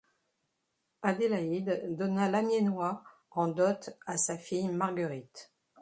Adélaïde donna l'Amiénois en dot à sa fille Marguerite.